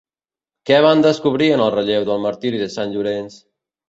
Què van descobrir en el relleu del Martiri de Sant Llorenç?